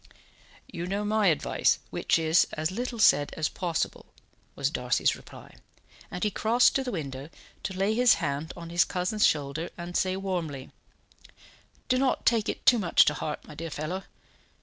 "You know my advice, which is, as little said as possible," was Darcy's reply; and he crossed to the window, to lay his hand on his cousin's shoulder, and say warmly: "Do not take it too much to heart, my dear fellow.